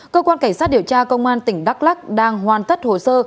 cơ quan cảnh sát điều tra công an tỉnh đắk lắc đang hoàn tất hồ sơ